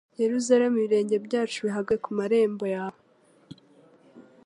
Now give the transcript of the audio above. «Yerusalemu, ibirenge byacu bihagaze ku marembo yawe!...